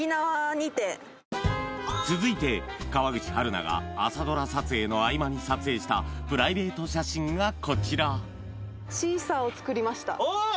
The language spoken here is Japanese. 続いて川口春奈が朝ドラ撮影の合間に撮影したプライベート写真がこちらあーっ！